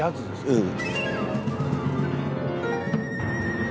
うん。